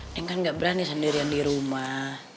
yang kan nggak berani sendirian di rumah